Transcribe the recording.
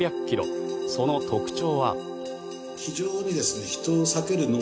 その特徴は。